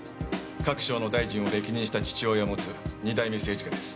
各省の大臣を歴任した父親を持つ２代目政治家です。